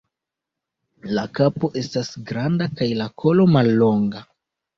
La kapo estas granda kaj la kolo mallonga.